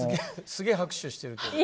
すげえ拍手してるけど。